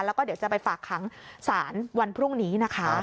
แล้วก็เดี๋ยวจะไปฝากขังศาลวันพรุ่งนี้นะคะ